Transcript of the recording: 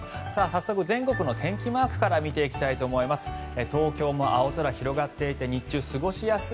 早速全国の天気マークから見ていきたいと思います。